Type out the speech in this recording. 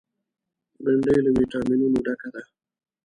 بېنډۍ له ویټامینونو ډکه ده